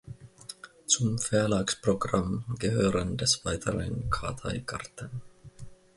Zum Verlagsprogramm gehören des Weiteren Karteikarten.